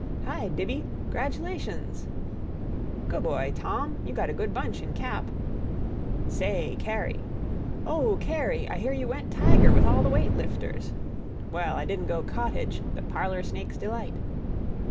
"Hi, Dibby—'gratulations!" "Goo' boy, Tom, you got a good bunch in Cap." "Say, Kerry—" "Oh, Kerry—I hear you went Tiger with all the weight lifters!" "Well, I didn't go Cottage—the parlor snakes' delight."